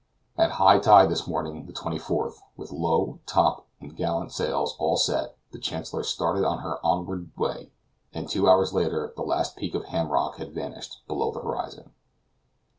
At high tide this morning, the 24th, with low, top, and gallant sails all set, the Chancellor started on her onward way, and two hours later the last peak of Ham Rock had vanished below the horizon.